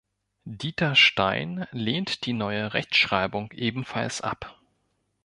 Dieter Stein lehnt die neue Rechtschreibung ebenfalls ab.